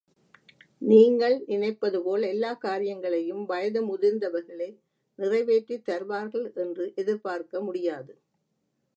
நீங்கள் நினைப்பதுபோல் எல்லாக் காரியங்களையும் வயது முதிர்ந்தவர்களே நிறைவேற்றித் தருவார்கள் என்று எதிர்பார்க்க முடியாது.